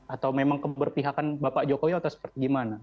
atau memang keberpihakan bapak jokowi atau seperti gimana